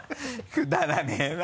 くだらねぇな。